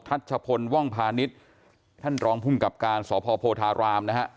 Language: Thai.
ัชพลว่องพาณิชย์ท่านรองภูมิกับการสพโพธารามนะฮะ